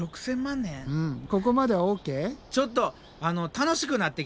ちょっと楽しくなってきた。